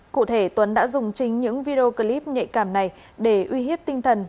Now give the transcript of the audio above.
cụ thể tuấn đã dùng chính những video clip nhạy cảm này để uy hiếp tinh thần